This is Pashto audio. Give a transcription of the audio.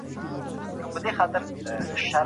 سياستپوهان به د ټولنيزو بدلونونو څېړنه کوي.